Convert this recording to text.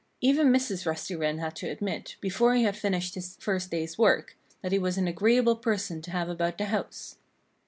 Even Mrs. Rusty Wren had to admit, before he had finished his first day's work, that he was an agreeable person to have about the house.